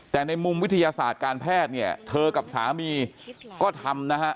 แต่ในมุมวิทยาศาสตร์การแพทย์เนี่ยเธอกับสามีก็ทำนะฮะ